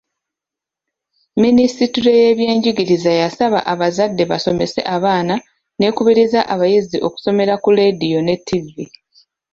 Minisitule y'ebyenjigiriza yasabira abazadde basomesa abaana n'ekubiriza abayizi okusomera ku leediyo ne ttivvi.